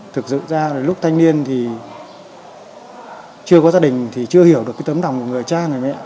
thực sự ra là lúc thanh niên thì chưa có gia đình thì chưa hiểu được cái tấm lòng của người cha người mẹ